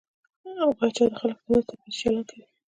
پاچا د خلکو تر منځ توپيري چلند کوي .